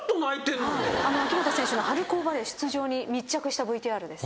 秋本選手の春高バレー出場に密着したＶＴＲです。